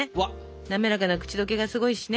滑らかな口どけがすごいしね。